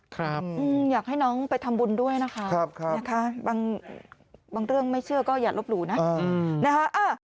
อยากให้น้องไปทำบุญด้วยนะคะบางเรื่องไม่เชื่อก็อย่าลบหลู่นะนะคะ